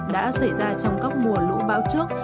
đã xảy ra trong các mùa lũ bão trước